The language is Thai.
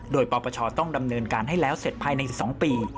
โดยปปชต้องดำเนินการให้แล้วเสร็จภายใน๑๒ปี